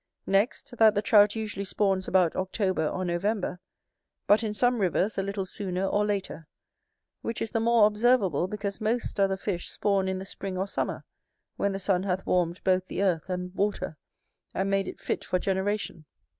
Next, that the Trout usually spawns about October or November, but in some rivers a little sooner or later; which is the more observable, because most other fish spawn in the spring or summer, when the sun hath warmed both the earth and water, and made it fit for generation.